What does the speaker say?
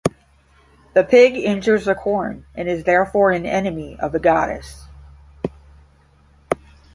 The pig injures the corn and is therefore an enemy of the goddess.